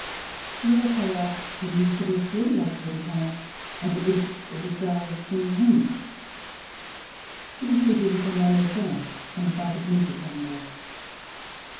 She also asked for news of Monsieur de La Tour du Pin and evinced a desire of seeing him. She was leaving for Mal maison and invited me to come there.